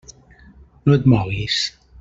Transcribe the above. No et moguis!